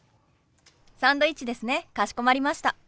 サンドイッチですねかしこまりました。